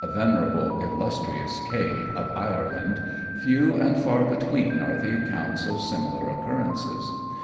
venerable, illustrious K. of Ireland, few and far between are the accounts of similar occurrences.